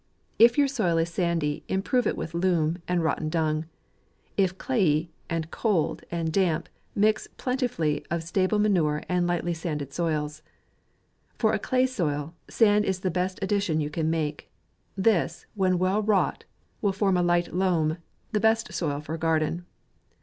If your soil is sandy, im prove it with loam, and rotten dung. Ii clayey, and cold, and damp, mix plentifully of stable manure and light sandy soils. For a clay soil, sand is the best addition you can make ; this, when well wrought, will form a light loam, the best soil for a garden.